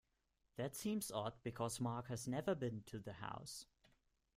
That seems odd because Mark has never been to the house.